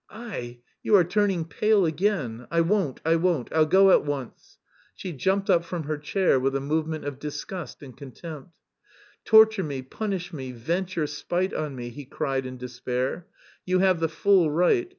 Aie, you are turning pale again? I won't, I won't, I'll go at once." She jumped up from her chair with a movement of disgust and contempt. "Torture me, punish me, vent your spite on me," he cried in despair. "You have the full right.